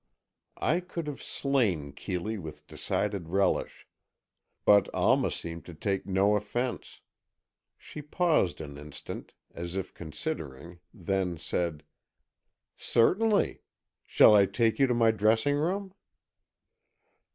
I could have slain Keeley with decided relish, but Alma seemed to take no offence. She paused an instant, as if considering, then said: "Certainly. Shall I take you to my dressing room?"